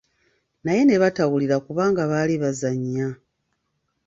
Naye ne batawulira kubanga baali bazannya.